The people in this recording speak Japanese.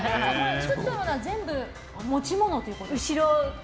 写ってるのは全部持ち物ということですか。